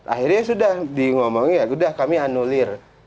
akhirnya sudah di ngomongin ya sudah kami anulir